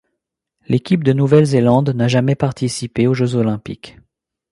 L'équipe de Nouvelle-Zélande n'a jamais participé aux Jeux olympiques.